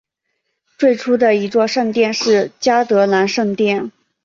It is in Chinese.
最初的一座圣殿是嘉德兰圣殿。